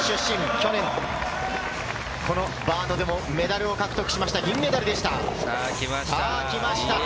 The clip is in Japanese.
去年このバートでもメダルを獲得しました、銀メダルでした。